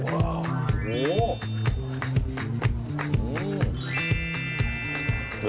โอ้โห